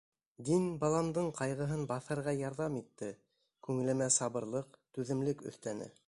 Дин баламдың ҡайғыһын баҫырға ярҙам итте, күңелемә сабырлыҡ, түҙемлек өҫтәне.